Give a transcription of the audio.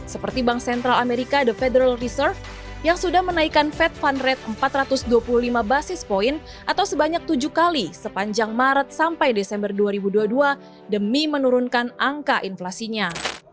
seperti bank sentral amerika the federal reserve yang sudah menaikkan fed fund rate empat ratus dua puluh lima basis point atau sebanyak tujuh kali sepanjang maret sampai desember dua ribu dua puluh dua demi menurunkan angka inflasinya